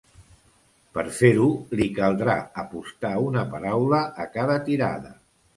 Per fer-ho li caldrà apostar una paraula a cada tirada.